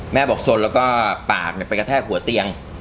แม่บอกสนแล้วก็ปากไปกระแทกหัวเตียง